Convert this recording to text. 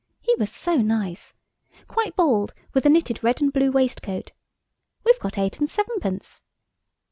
He was so nice. Quite bald, with a knitted red and blue waistcoat. We've got eight and sevenpence."